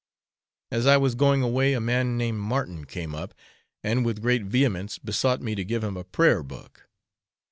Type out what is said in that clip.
As I was going away, a man named Martin came up, and with great vehemence besought me to give him a prayer book.